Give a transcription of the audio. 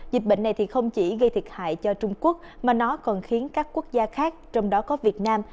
dịch bệnh này thì không chỉ gây thiệt hại cho trung quốc mà nó còn khiến các quốc gia khác trong đó có việt nam